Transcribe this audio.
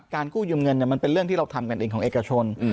กู้ยืมเงินมันเป็นเรื่องที่เราทำกันเองของเอกชน